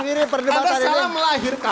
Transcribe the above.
karena salah melahirkan